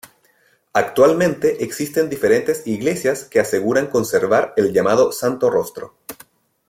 Actualmente existen diferentes iglesias que aseguran conservar el llamado Santo Rostro.